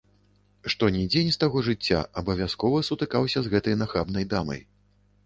Што ні дзень з таго жыцця, абавязкова сутыкаўся з гэтай нахабнай дамай.